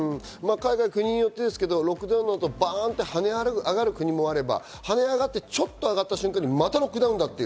国によってですけど、ロックダウンの後、ばんと跳ね上がる国もあれば、跳ね上がってちょっと上がった瞬間にロックダウンだっていう。